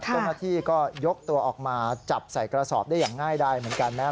เจ้าหน้าที่ก็ยกตัวออกมาจับใส่กระสอบได้อย่างง่ายดายเหมือนกันนะครับ